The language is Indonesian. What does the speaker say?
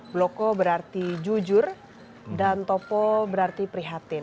bloko berarti jujur dan topo berarti prihatin